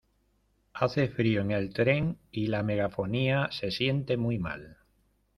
Hace frío en el tren y la megafonía se siente muy mal.